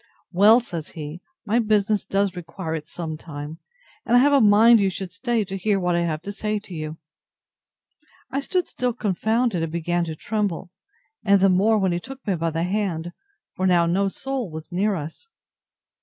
Well, says he, my business does require it sometimes; and I have a mind you should stay to hear what I have to say to you. I stood still confounded, and began to tremble, and the more when he took me by the hand; for now no soul was near us.